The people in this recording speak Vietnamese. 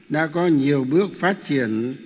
đã có nhiều bước phát triển